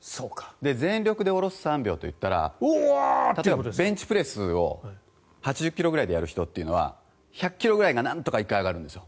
全力で下ろす３秒といったらベンチプレスを８０ｋｇぐらいでやる人というのは１００ｋｇぐらいがなんとか１回上がるんですよ。